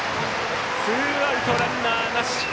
ツーアウト、ランナーなし。